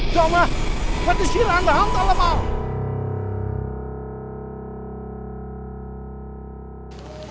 janganlah berdisi randa hantu lemah